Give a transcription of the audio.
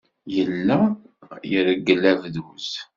Yella ireggel abduz.